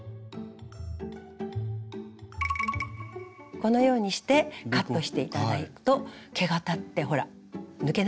このようにしてカットして頂くと毛が立ってほら抜けないでしょ？